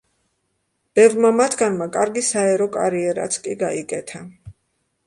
ბევრმა მათგანმა კარგი საერო კარიერაც კი გაიკეთა.